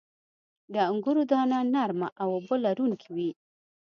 • د انګورو دانه نرمه او اوبه لرونکې وي.